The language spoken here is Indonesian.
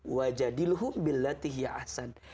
wajadilhum bil latihya ahsan